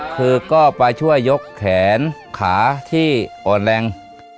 คือก็ไปช่วยยกแขนขาที่อ่อนแรง